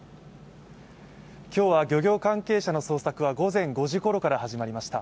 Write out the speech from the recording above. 今日は漁業関係者の捜索は午前５時ごろから始まりました。